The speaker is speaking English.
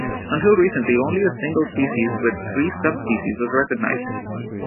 Until recently only a single species with three subspecies was recognized.